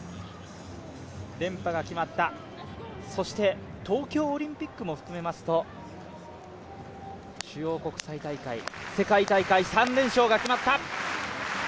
連覇が決まった、そして東京オリンピックも含めますと主要国際大会、世界大会３連勝が決まった。